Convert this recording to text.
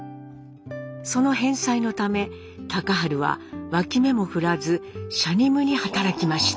その返済のため隆治は脇目も振らずしゃにむに働きました。